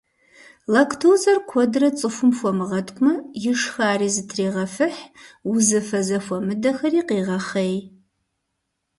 Лактозэр куэдрэ цӀыхум хуэмыгъэткӀумэ, ишхари зэтрегъэфыхь, узыфэ зэхуэмыдэхэри къегъэхъей.